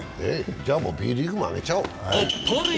じゃあもうＢリーグもあげちゃおう。